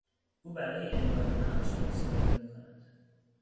او برای امرار معاش تاکسیرانی میکند.